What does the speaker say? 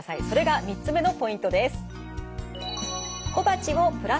それが３つ目のポイントです。